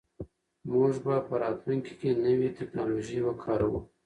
موږ به په راتلونکي کې نوې ټیکنالوژي وکاروو.